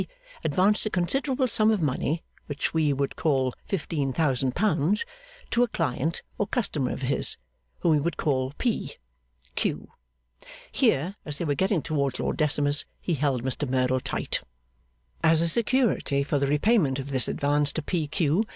advanced a considerable sum of money, which we would call fifteen thousand pounds, to a client or customer of his, whom he would call P. Q. (Here, as they were getting towards Lord Decimus, he held Mr Merdle tight.) As a security for the repayment of this advance to P. Q.